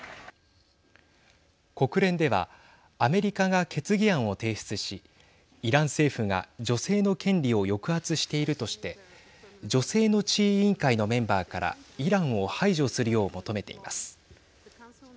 国連ではアメリカが決議案を提出しイラン政府が女性の権利を抑圧しているとして女性の地位委員会のメンバーからイランを排除するよう求めています。